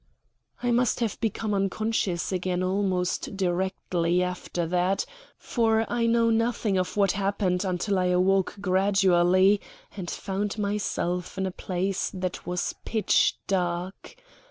I must have become unconscious again almost directly after that, for I know nothing of what happened until I awoke gradually and found myself in a place that was pitch dark.